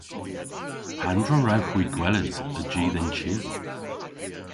Pandr'a wrewgh hwi gweles a-ji dhe'n chi?